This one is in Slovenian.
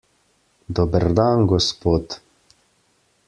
Dober dan, gospod.